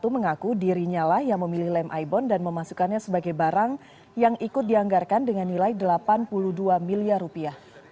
mengaku dirinya lah yang memilih lem ibon dan memasukkannya sebagai barang yang ikut dianggarkan dengan nilai delapan puluh dua miliar rupiah